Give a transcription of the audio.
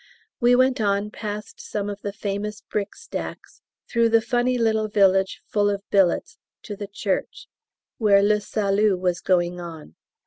We went on past some of the famous brick stacks through the funny little village full of billets to the church, where le Salut was going on.